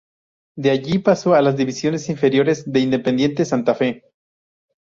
De allí, pasó a las divisiones inferiores de Independiente Santa Fe.